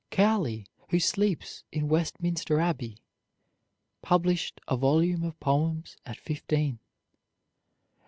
Cowley, who sleeps in Westminster Abbey, published a volume of poems at fifteen.